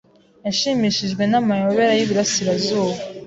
Yashimishijwe n'amayobera y'Iburasirazuba.